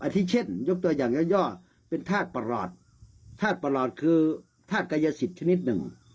ที่เช่นยกตัวอย่างย่อเป็นธาตุประหลอดธาตุประหลอดคือธาตุกายสิทธิ์ชนิดหนึ่ง